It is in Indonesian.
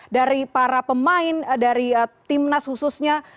dari para pemain dari timnas khususnya